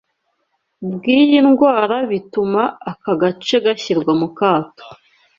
by’iyi ndwara bituma aka gace gashyirwa mu kato